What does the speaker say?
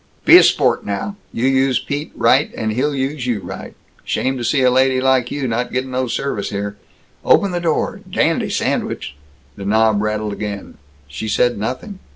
"Be a sport now! You use Pete right, and he'll use you right. Shame to see a lady like you not gettin' no service here. Open the door. Dandy sandwich!" The knob rattled again. She said nothing.